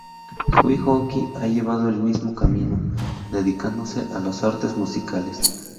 Su hijo Oki, ha llevado el mismo camino, dedicándose a las artes musicales.